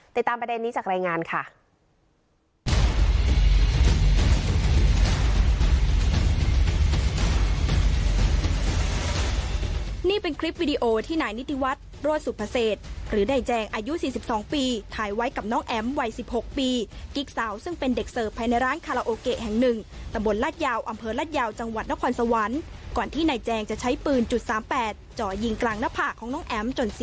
ติดตามประเด็นนี้จากรายงานค่ะ